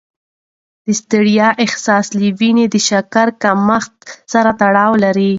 د ستړیا احساس له وینې د شکرې کمښت سره تړاو لري.